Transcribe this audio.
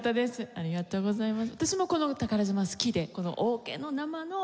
ありがとうございます。